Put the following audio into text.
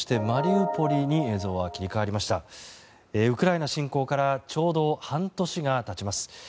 ウクライナ侵攻からちょうど半年が経ちます。